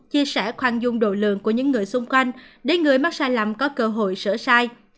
chia sẻ khoan dung độ lượng của những người xung quanh để người mắc sai lầm có cơ hội sửa sai